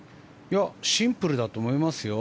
シンプルだと思いますよ。